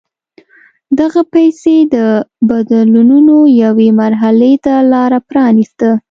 دغه پېښې د بدلونونو یوې مرحلې ته لار پرانېسته.